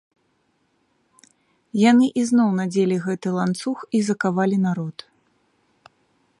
Яны ізноў надзелі гэты ланцуг і закавалі народ.